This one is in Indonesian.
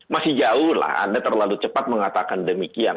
masih jauh lah anda terlalu cepat mengatakan demikian